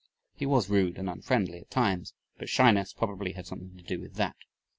He was rude and unfriendly at times but shyness probably had something to do with that.